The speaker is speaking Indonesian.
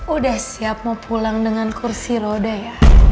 udah siap mau pulang dengan kursi roda ya